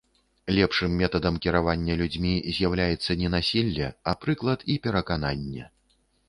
Лепшым метадам кіравання людзьмі з'яўляецца не насілле, а прыклад і перакананне.